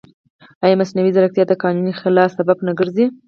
ایا مصنوعي ځیرکتیا د قانوني خلا سبب نه ګرځي؟